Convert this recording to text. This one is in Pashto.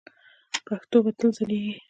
پښتو به تل ځلیږي.